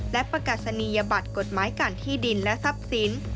และประกาศนียบัตรกฎหมายการที่ดินและทรัพย์สิน